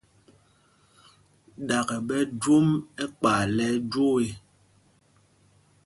Ɗaka!ɓɛ jwom ɛkpay lɛ ɛjwoo ê.